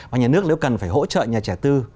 và nhà nước nếu cần phải hỗ trợ nhà trẻ tư